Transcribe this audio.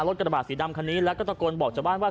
กระบาดสีดำคันนี้แล้วก็ตะโกนบอกชาวบ้านว่า